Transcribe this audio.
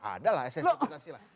ada lah esensi pancasila